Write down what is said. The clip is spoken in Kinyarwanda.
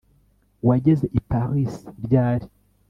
Wageze i Paris ryari